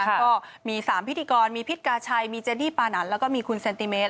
ก็มี๓พิธีกรมีพิษกาชัยมีเจดี้ปานันแล้วก็มีคุณเซนติเมตร